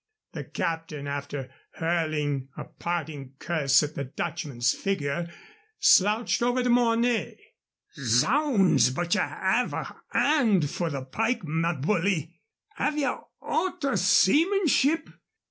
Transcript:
The captain, after hurling a parting curse at the Dutchman's figure, slouched over to Mornay. "Zounds! but ye 'ave a 'and for the pike, my bully. 'Ave ye aught o' seamanship?